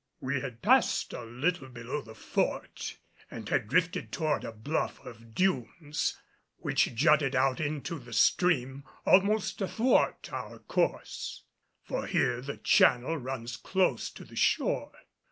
We had passed a little below the Fort and had drifted toward a bluff of dunes which jutted out into the stream almost athwart our course for here the channel runs close to the shore.